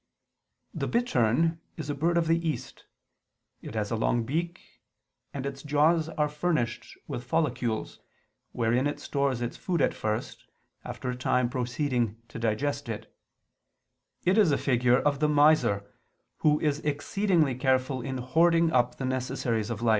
The bittern is a bird of the East: it has a long beak, and its jaws are furnished with follicules, wherein it stores its food at first, after a time proceeding to digest it: it is a figure of the miser, who is excessively careful in hoarding up the necessaries of life.